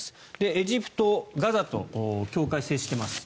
エジプトガザと境界を接しています。